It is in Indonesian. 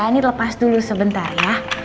ini lepas dulu sebentar ya